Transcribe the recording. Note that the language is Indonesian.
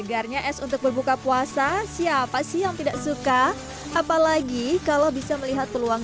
segarnya es untuk berbuka puasa siapa sih yang tidak suka apalagi kalau bisa melihat peluang